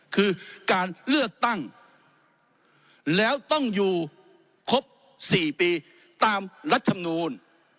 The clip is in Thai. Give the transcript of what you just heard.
คือการเลือกตั้งแล้วต้องอยู่ครบ๔ปีตามรัฐมนูล